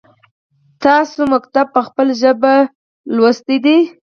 تاسو ښونځی په خپل ژبه لوستی دی ؟